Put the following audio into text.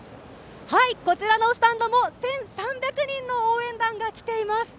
こちらのスタンドも１３００人の応援団が来ています。